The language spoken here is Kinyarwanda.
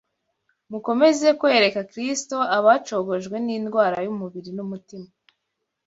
Mukomeze kwereka Kristo abacogojwe n’indwara y’umubiri n’umutima